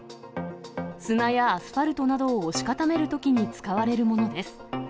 砂やアスファルトなどを押し固めるときに使われるものです。